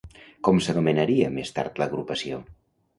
Com s'anomenaria més tard l'agrupació?